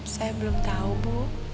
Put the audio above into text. saya belum tahu bu